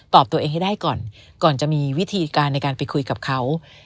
ตัวเองให้ได้ก่อนก่อนจะมีวิธีการในการไปคุยกับเขา